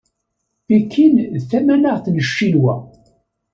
Pekin d tamaneɣt n Ccinwa.